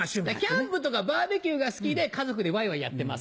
キャンプとかバーベキューが好きで家族でワイワイやってます。